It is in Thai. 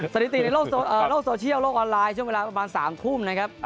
สถิติในโลกโซเชียลโลกออนไลน์ช่วงเวลาประมาณ๓ทุ่มนะครับ